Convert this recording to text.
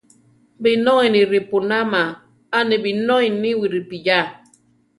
Binói ni ripúnama, a ni binói níwi ripiyá.